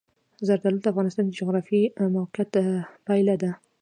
زردالو د افغانستان د جغرافیایي موقیعت پایله ده.